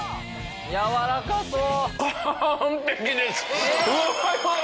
やわらかそう！